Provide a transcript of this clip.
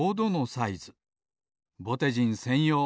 ぼてじんせんよう。